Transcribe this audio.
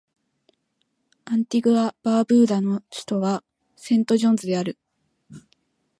アンティグア・バーブーダの首都はセントジョンズである